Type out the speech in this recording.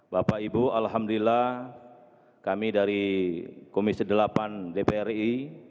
bapak ibu alhamdulillah kami dari komisi delapan dpr ri